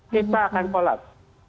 kita akan kolap